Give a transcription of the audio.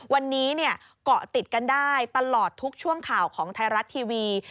วันนี้เกาะติดกันได้ตลอดทุกช่วงข่าวของไทยรัฐทีวี